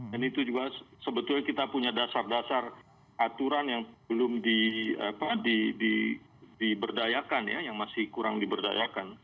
dan itu juga sebetulnya kita punya dasar dasar aturan yang belum diberdayakan ya yang masih kurang diberdayakan